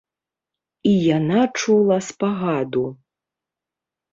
І яна чула спагаду.